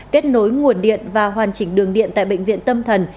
kết nối nguồn điện và hoàn chỉnh đường điện tại bệnh viện tâm thần